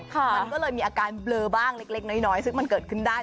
มันก็เลยมีอาการเบลอบ้างเล็กน้อยซึ่งมันเกิดขึ้นได้